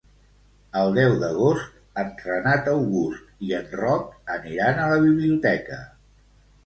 El deu d'agost en Renat August i en Roc aniran a la biblioteca.